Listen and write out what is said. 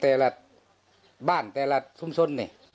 แต่ละบ้านแต่ละสมสดิน